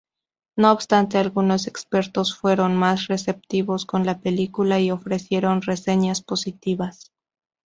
No obstante, algunos expertos fueron más receptivos con la película y ofrecieron reseñas positivas.